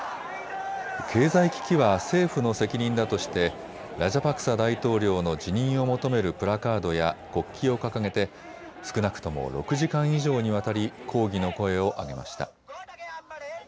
経済危機は政府の責任だとしてラジャパクサ大統領の辞任を求めるプラカードや国旗を掲げて少なくとも６時間以上にわたり抗議の声を上げました。